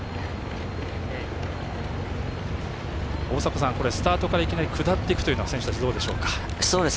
大迫さん、スタートからいきなり下っていくというのは選手たち、どうでしょう。